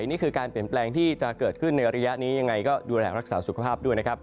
นี่คือการเปลี่ยนแปลงที่จะเกิดขึ้นในระยะนี้ยังไงก็ดูแลรักษาสุขภาพด้วยนะครับ